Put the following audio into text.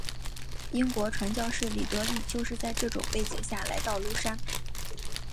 英国传教士李德立就是在这种背景下来到庐山。